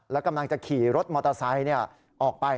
แล้วกำลังจะขี่รถมอเตอร์ไซค์ออกไป